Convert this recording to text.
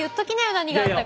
何があったか。